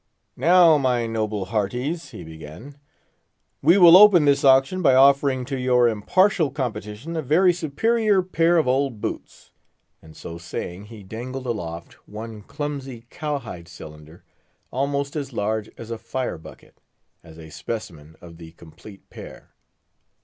"Now, my noble hearties," he began, "we will open this auction by offering to your impartial competition a very superior pair of old boots;" and so saying, he dangled aloft one clumsy cowhide cylinder, almost as large as a fire bucket, as a specimen of the complete pair.